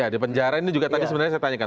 di penjara ini juga tadi sebenarnya saya tanyakan